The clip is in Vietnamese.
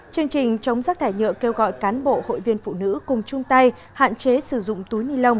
chương trình chống rác thải nhựa kêu gọi cán bộ hội viên phụ nữ cùng chung tay hạn chế sử dụng túi ni lông